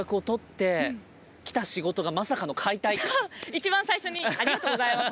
一番最初にありがとうございます。